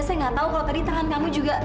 saya gak tau kalau tadi tangan kamu juga